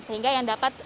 sehingga yang dapat